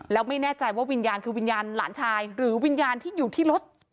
แล้วไม่แน่ใจว่าวิญญาณคือวิญญาณหลานชายหรือวิญญาณที่อยู่ที่รถ